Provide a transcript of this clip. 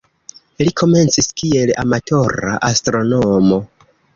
Li komencis kiel amatora astronomo.